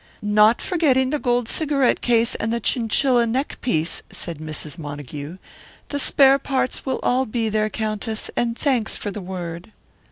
"Not forgetting the gold cigarette case and the chinchilla neck piece," said Mrs. Montague. "The spare parts will all be there, Countess, and thanks for the word."